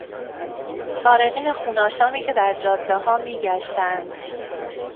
سارقین خون آشامی که در جادهها میگشتند